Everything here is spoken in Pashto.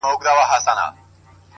چي زه به څرنگه و غېږ ته د جانان ورځمه!!